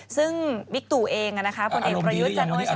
ซึ่งวิกตุเองนะคะคนเอกประยุทธ์จันทร์โอชา